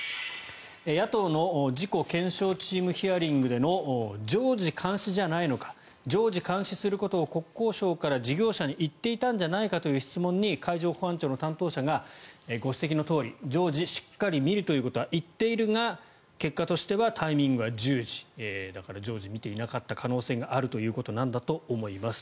野党の事故検証チームヒアリングでの常時監視じゃないのか常時監視することを国交省から事業者に言っていたのではないかという質問に海上保安庁の担当者がご指摘のとおり常時しっかり見るということは言っているが結果としてはタイミングは１０時だから、常時見ていなかった可能性があるんだと思います。